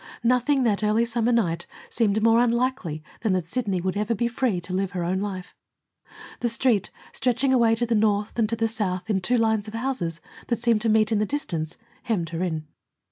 Nothing, that early summer night, seemed more unlikely than that Sidney would ever be free to live her own life. The Street, stretching away to the north and to the south in two lines of houses that seemed to meet in the distance, hemmed her in.